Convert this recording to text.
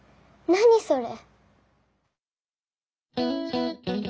何それ？